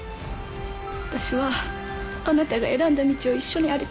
私はあなたが選んだ道を一緒に歩きたい。